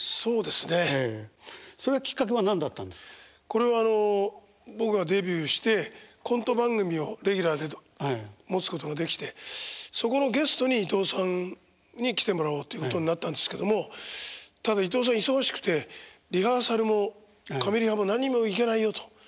これはあの僕がデビューしてコント番組をレギュラーで持つことができてそこのゲストに伊東さんに来てもらおうということになったんですけどもただ伊東さん忙しくてリハーサルもカメリハも何にも行けないよと。